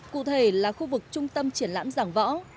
cụ thể là khu vực trung tâm triển lãm giảng võ